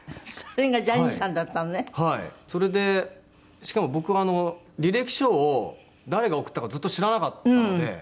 しかも僕履歴書を誰が送ったかずっと知らなかったので。